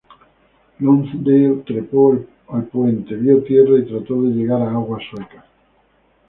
Lonsdale trepó al puente, vio tierra y trató de llegar a aguas suecas.